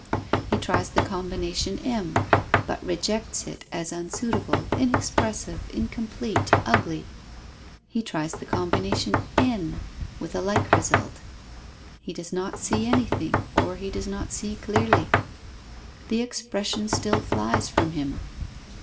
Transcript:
He tries the combination m, but rejects it as unsuitable, inexpressive, incomplete, ugly: he tries the combination n, with a like result. He does not see anything, or he does not see clearly. The expression still flies from him.